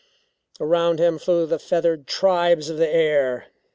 Around him flew the feathered tribes of the air.